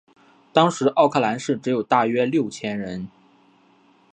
当时奥克兰市只有大约六千人口。